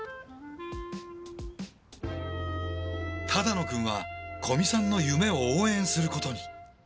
只野くんは古見さんの夢を応援することに。